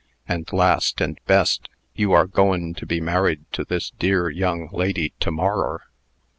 And, last and best, you are goin' to be married to this dear young lady to morrer."